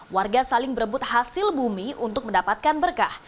warga saling berebut hasil bumi untuk mendapatkan berkah